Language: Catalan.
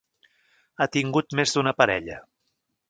Ha tingut més d'una parella.